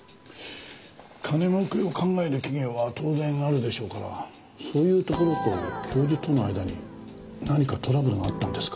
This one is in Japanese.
金儲けを考える企業は当然あるでしょうからそういうところと教授との間に何かトラブルがあったんですか？